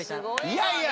いやいや。